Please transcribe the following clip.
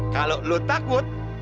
kalau lu takut